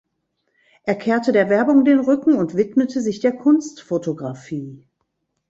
Er kehrte der Werbung den Rücken und widmete sich der Kunstfotografie.